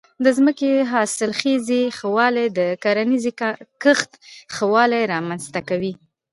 د ځمکې د حاصلخېزۍ ښه والی د کرنیزې کښت ښه والی رامنځته کوي.